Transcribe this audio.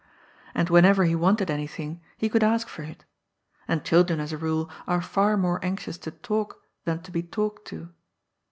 And when 80 GOD'S FOOL. ever he wanted anything, he could ask for it ; and children, as a rule, are far more anxious to talk than to be talked to.